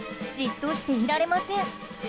じっとしていられません。